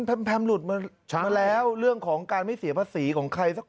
แพมหลุดมาแล้วเรื่องของการไม่เสียภาษีของใครสักคน